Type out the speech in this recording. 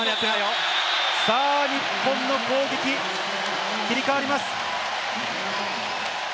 日本の攻撃に切り替わります。